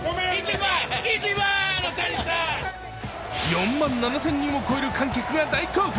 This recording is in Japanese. ４万７０００人を超える観客が大興奮。